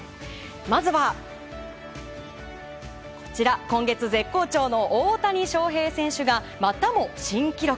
まずは、今月絶好調の大谷翔平選手がまたも新記録。